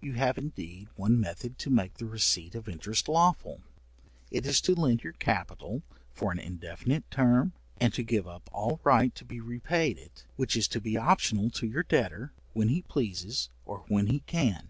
You have indeed one method to make the receipt of interest lawful, it is to lend your capital for an indefinite term, and to give up all right to be repaid it, which is to be optional to your debtor, when he pleases, or when he can.